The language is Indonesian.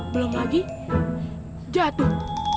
belum lagi jatuh